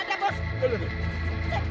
iya bos cebel cakep